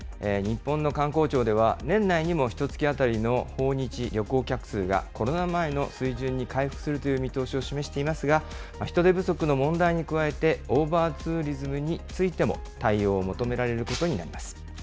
日本の観光庁では年内にもひとつき当たりの訪日旅行客数がコロナ前の水準に回復するという見通しを示していますが、人手不足の問題に加えて、オーバーツーリズムについても対応を求められることになります。